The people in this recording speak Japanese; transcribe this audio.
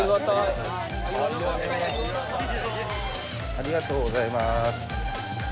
ありがとうございます。